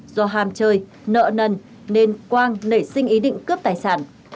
do hàm chơi nợ nần nên quang nảy sinh ý định cướp tài sản